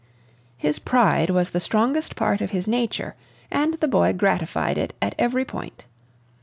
His pride was the strongest part of his nature, and the boy gratified it at every point.